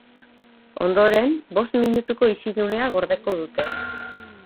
Ondoren, bost minutuko isilunea gordeko dute.